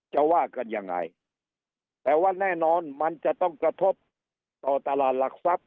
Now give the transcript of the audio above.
ว่ากันยังไงแต่ว่าแน่นอนมันจะต้องกระทบต่อตลาดหลักทรัพย